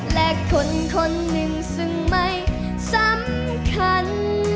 และคนคนหนึ่งซึ่งไม่สำคัญ